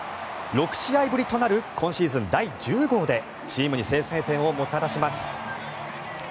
６試合ぶりとなる今シーズン第１０号でチームに先制点をもたらします。